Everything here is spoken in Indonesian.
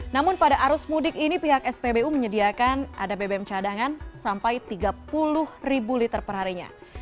namun pada arus mudik ini pihak spbu menyediakan ada bbm cadangan sampai tiga puluh ribu liter perharinya